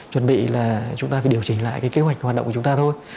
chuẩn bị là chúng ta phải điều chỉnh lại cái kế hoạch hoạt động của chúng ta thôi